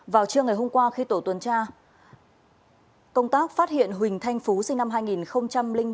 vào trưa ngày hôm qua khi tổ tuần tra công tác phát hiện huỳnh thanh phú sinh năm hai nghìn bốn